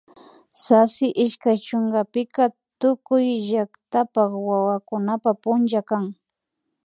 Sasi ishkay chunkapika tukuy llaktapak wawapa punlla kan